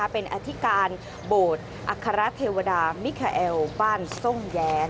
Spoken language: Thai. เป็นอธิการโบสถ์อคารัฐเทวดามิคาเอลบ้านทรงแย